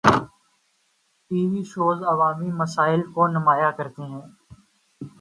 T V shows عوامی مسائل کو نمایاں کرتے ہیں۔